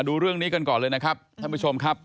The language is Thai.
ดูเรื่องนี้กันก่อนเลยนะครับท่านผู้ชมครับ